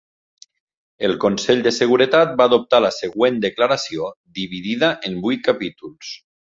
El Consell de Seguretat va adoptar la següent declaració, dividida en vuit capítols.